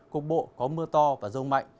cung bộ có mưa to và rông mạnh